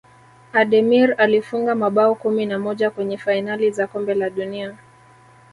ademir alifunga mabao kumi na moja kwenye fainali za kombe la dunia